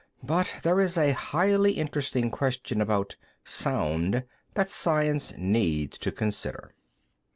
But there is a highly interesting question about "sound" that Science needs to consider....